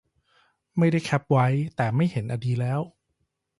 ไม่ได้แคปไว้ แต่ไม่เห็นอะดีแล้ว